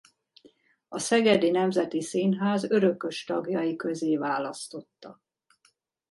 A Szegedi Nemzeti Színház örökös tagjai közé választotta.